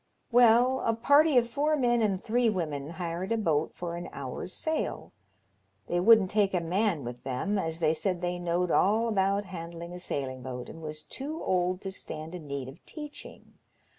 *'Well, a party of four men and three women hired a boat for an hour's sail. They wouldn't take a man with them, as they said they knowed all about handling a sailing boat, and was too old to stand in need of teaching.